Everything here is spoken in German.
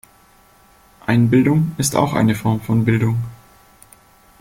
Einbildung ist auch eine Form von Bildung.